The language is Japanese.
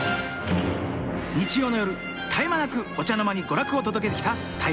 日曜の夜絶え間なくお茶の間に娯楽を届けてきた「大河」。